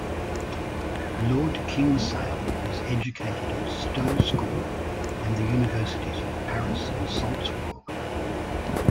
Lord Kingsale was educated at Stowe School, and the Universities of Paris and Salzburg.